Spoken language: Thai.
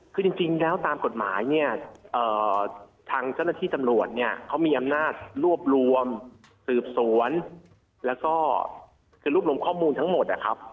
คือจริงแล้วตามกฎหมายเนี่ยทางเจ้าหน้าที่ตำรวจเนี่ยเขามีอำนาจรวบรวมสืบสวนแล้วก็คือรวบรวมข้อมูลทั้งหมดนะครับ